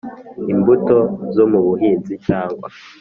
imbuto zo mu buhinzi cyangwa